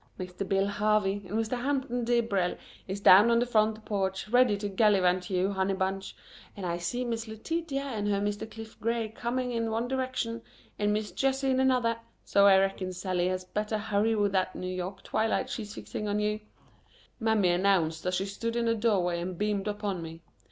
"Mister Billy Harvey and Mister Hampton Dibrell is down on the front porch ready to gallivant you, honey bunch, and I seen Miss Letitia and her Mister Cliff Gray coming in one direction and Miss Jessie in another, so I reckon Sallie had better hurry with that New York twilight she's fixing on you," Mammy announced as she stood in my doorway and beamed upon me.